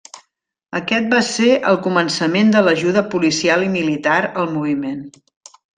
Aquest va ser el començament de l'ajuda policial i militar al moviment.